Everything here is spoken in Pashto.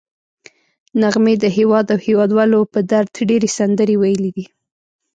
نغمې د هېواد او هېوادوالو په درد ډېرې سندرې ویلي دي